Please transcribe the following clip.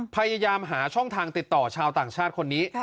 พยายามหาช่องทางติดต่อชาวต่างชาติคนนี้